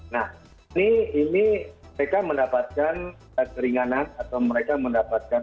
nah ini mereka mendapatkan keringanan atau mereka mendapatkan